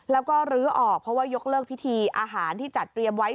แล้วก็ลื้อออกเพราะว่ายกเลิกพิธีอาหารที่จัดเตรียมไว้